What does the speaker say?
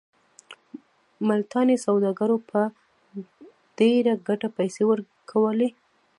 ملتاني سوداګرو به په ډېره ګټه پیسې ورکولې.